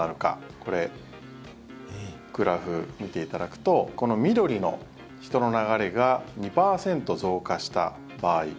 これ、グラフを見ていただくと緑の人の流れが２％増加した場合。